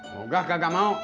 nggak nggak mau